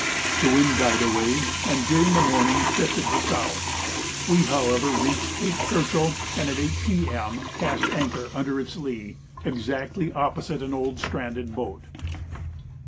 The wind died away, and during the morning shifted to south. We, however, reached Cape Churchill, and at 8 P.M. cast anchor under its lee, exactly opposite an old stranded boat.